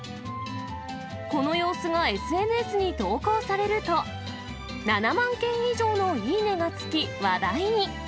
この様子がＳＮＳに投稿されると、７万件以上のいいねがつき、話題に。